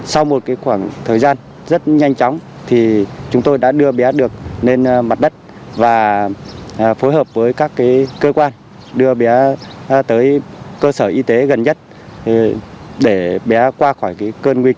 sau một khoảng thời gian rất nhanh chóng chúng tôi đã đưa bé được lên mặt đất và phối hợp với các cơ quan đưa bé tới cơ sở y tế gần nhất để bé qua khỏi cơn nguy cơ